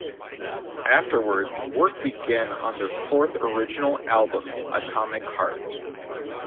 Afterwards work began on their fourth original album "Atomic Heart".